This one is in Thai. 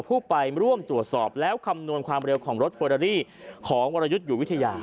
ผู้ไปร่วมตรวจสอบแล้วคำนวณความเร็วของรถเฟอรารี่ของวรยุทธ์อยู่วิทยา